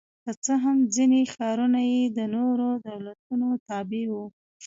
که څه هم ځیني ښارونه یې د نورو دولتونو تابع وو